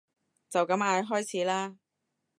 就咁嗌開始啦